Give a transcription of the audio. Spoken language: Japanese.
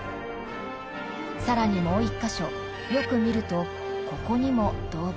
更にもう一か所よく見るとここにも動物が。